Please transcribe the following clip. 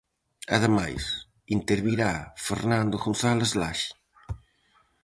Ademais, intervirá Fernando González Laxe.